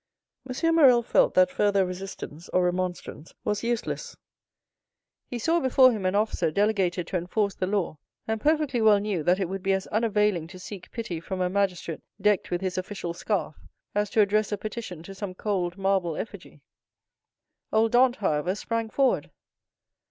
M. Morrel felt that further resistance or remonstrance was useless. He saw before him an officer delegated to enforce the law, and perfectly well knew that it would be as unavailing to seek pity from a magistrate decked with his official scarf, as to address a petition to some cold marble effigy. Old Dantès, however, sprang forward.